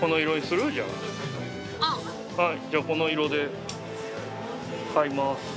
じゃあ、この色で買います。